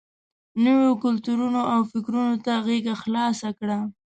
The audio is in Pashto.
نویو کلتورونو او فکرونو ته غېږه خلاصه کړم.